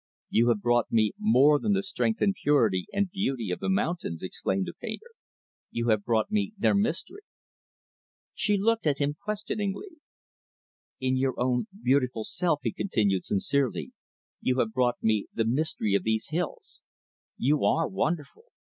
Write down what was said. "You have brought me more than the strength and purity and beauty of the mountains," exclaimed the painter. "You have brought me their mystery." She looked at him questioningly. "In your own beautiful self," he continued sincerely "you have brought me the mystery of these hills. You are wonderful!